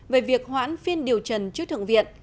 về việc hoãn phiên điều trần trước thượng viện